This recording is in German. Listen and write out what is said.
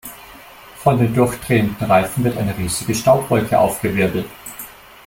Von den durchdrehenden Reifen wird eine riesige Staubwolke aufgewirbelt.